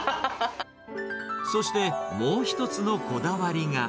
そして、もう一つのこだわりが。